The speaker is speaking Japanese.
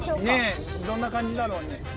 ねっどんな感じだろうね。